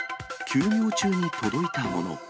休業中に届いたもの。